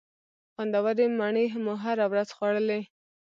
خوندورې مڼې مو هره ورځ خوړلې.